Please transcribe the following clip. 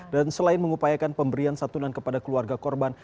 dan selain mengupayakan pemberian satunan kepada keluarga korban